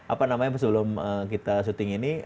apa namanya sebelum kita syuting ini